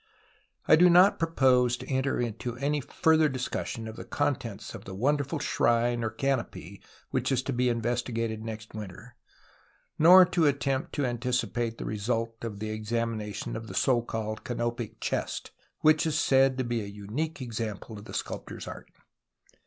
1 do not propose to enter into any further discussion of the contents of the wonderful shrine or canopy which is to be investigated next winter, nor to attempt to anticipate the result of the examination of the so called " canopic " chest, which is said to be a unique example of the sculptor's art.